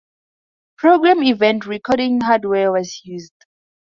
Program Event Recording hardware was used.